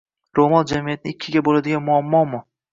Ro‘mol jamiyatni ikkiga bo‘ladigan muammomi?